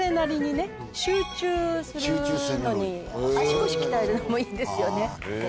集中するのに足腰鍛えるのもいいですよね。